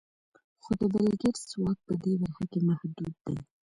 خو د بېل ګېټس واک په دې برخه کې محدود دی.